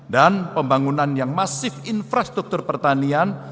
dan pembangunan yang masif infrastruktur pertanian